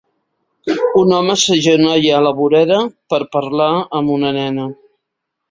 Un home s'agenolla a la vorera per parlar amb una nena.